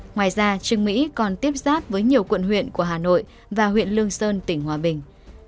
ngoài ra trương mỹ còn tiếp giáp với nhiều quận huyện của hà nội và huyện lương sơn tỉnh hòa bình